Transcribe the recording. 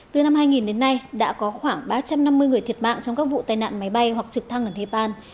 từ năm hai nghìn đến nay đã có khoảng ba trăm năm mươi người thiệt mạng trong các vụ tai nạn máy bay hoặc trực thăng ở nepal